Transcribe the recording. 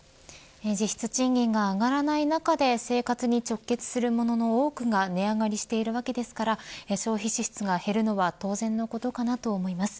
実質賃金が上がらない中で生活に直結するものの多くが値上がりしているわけですから消費支出が減るのは当然のことかなと思います。